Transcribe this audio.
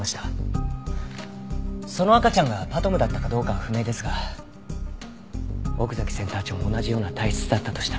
その赤ちゃんがＰＡＴＭだったかどうかは不明ですが奥崎センター長も同じような体質だったとしたら。